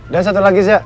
dan satu lagi riza